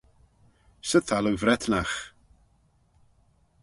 Sy Thalloo Vretnagh.